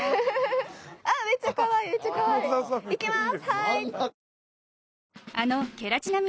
めっちゃかわいい！いきます！